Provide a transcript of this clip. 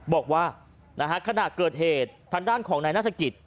บอกว่านะฮะขนาดเกิดเหตุธันด้านของนายนัฐกิจ